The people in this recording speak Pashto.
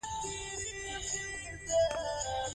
تعلیم یافته کسان په خپلو سیمو کې د بدلون جوړونکي وي.